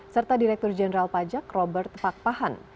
serta direktur jenderal pajak robert pakpahan